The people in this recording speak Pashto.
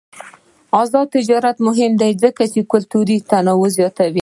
آزاد تجارت مهم دی ځکه چې کلتوري تنوع زیاتوي.